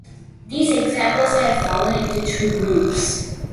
These examples have fallen into two groups.